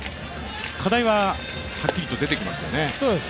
課題ははっきりと出てきますよね。